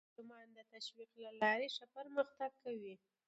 ماشومان د تشویق له لارې لا ښه پرمختګ کوي